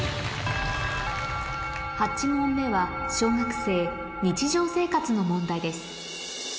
８問目は小学生日常生活の問題です